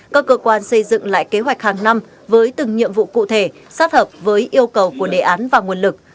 các cơ quan xây dựng lại kế hoạch hàng năm với từng nhiệm vụ cụ thể sát hợp với yêu cầu của đề án và nguồn lực